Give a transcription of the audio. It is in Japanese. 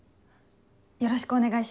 よろしくお願いします。